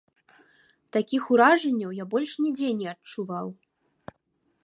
Такіх уражанняў я больш нідзе не адчуваў.